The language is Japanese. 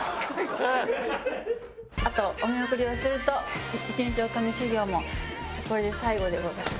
あとお見送りをすると１日女将修業もこれで最後でございます。